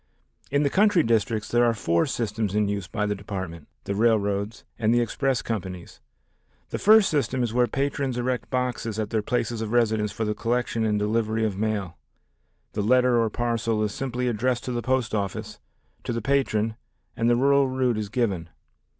In the country districts there are four systems in use by the Department, the railroads, and the express companies. The first system is where patrons erect boxes at their places of residence for the collection and delivery of mail. The letter or parcel is simply addressed to the post office, to the patron and the rural route is given.